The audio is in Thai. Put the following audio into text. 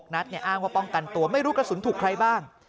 นัดอ้างว่าป้องกันตัวไม่รู้กระสุนถูกใครบ้าง